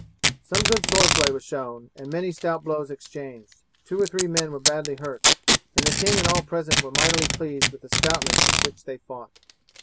Some good sword play was shown and many stout blows exchanged, two or three men were badly hurt, and the king and all present were mightily pleased with the stoutness with which they fought.